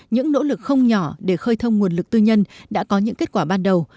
những nỗ lực không nhỏ để khơi thông nguồn lực tư nhân đã có những kết quả ban đầu